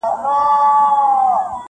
نو دي رنځ د ولادت درته آسان وي -